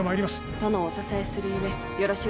殿をお支えするゆえよろしゅう